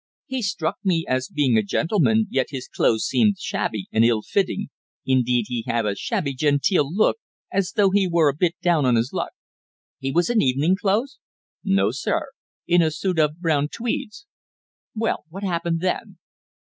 "He struck me as being a gentleman, yet his clothes seemed shabby and ill fitting. Indeed, he had a shabby genteel look, as though he were a bit down on his luck." "He was in evening clothes?" "No, sir. In a suit of brown tweeds." "Well, what happened then?"